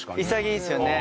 潔いいですよね。